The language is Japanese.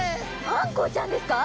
あんこうちゃんですか？